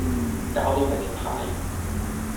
膠都費事派